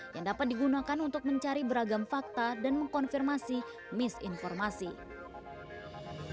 yang dapat digunakan untuk mencari beragam fakta dan mengkonfirmasi misinformasi